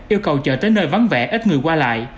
yêu cầu chợ tới nơi vắng vẻ ít người qua lại